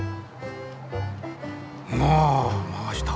ああ回した。